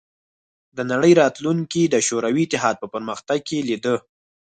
د نړۍ راتلونکې د شوروي اتحاد په پرمختګ کې لیده